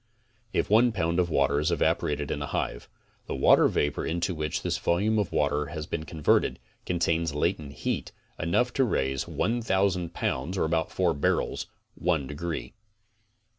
If one pound of water is evaporated in a hive, the water vapor into which this volume of water has been converted, contains latent heat enough to raise 1,000 pounds (about four barrels) one degree.